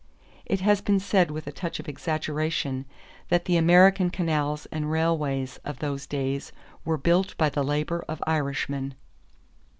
It has been said with a touch of exaggeration that the American canals and railways of those days were built by the labor of Irishmen.